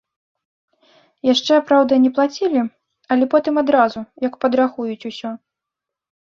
Яшчэ, праўда, не плацілі, але потым адразу, як падрахуюць усё.